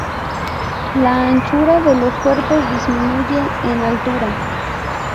La anchura de los cuerpos disminuye en altura.